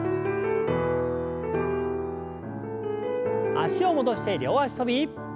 脚を戻して両脚跳び。